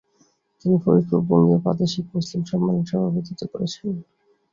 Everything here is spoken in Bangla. তিনি ফরিদপুর বঙ্গীয় প্রাদেশিক মুসলিম সম্মেলনে সভাপতিত্ব করেছেন।